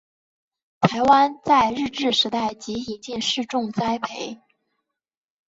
台湾在日治时代即引进试种栽培。